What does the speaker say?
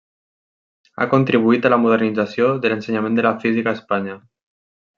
Ha contribuït a la modernització de l'ensenyament de la Física a Espanya.